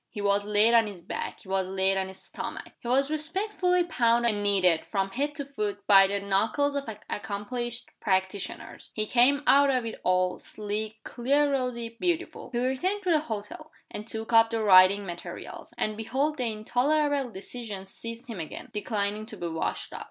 He was laid on his back; he was laid on his stomach; he was respectfully pounded and kneaded, from head to foot, by the knuckles of accomplished practitioners. He came out of it all, sleek, clear rosy, beautiful. He returned to the hotel, and took up the writing materials and behold the intolerable indecision seized him again, declining to be washed out!